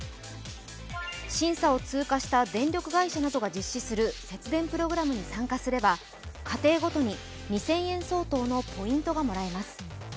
審査を通過した電力会社などが実施する節電プログラムに参加すれば家庭ごとに２０００円相当のポイントがもらえます。